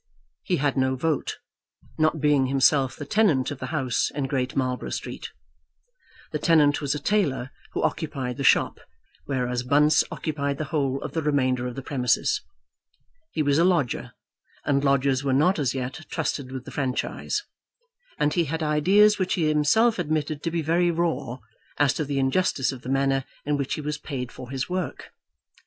He had no vote, not being himself the tenant of the house in Great Marlborough Street. The tenant was a tailor who occupied the shop, whereas Bunce occupied the whole of the remainder of the premises. He was a lodger, and lodgers were not as yet trusted with the franchise. And he had ideas, which he himself admitted to be very raw, as to the injustice of the manner in which he was paid for his work.